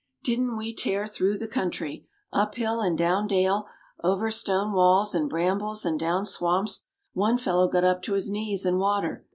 Didn't we tear through the country! up hill and down dale, over stone walls and brambles and down swamps; one fellow got up to his knees in water.